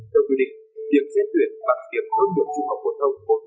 theo quy định tiệm diễn tuyển bằng tiệm hướng được trung học hồn thông bốn mươi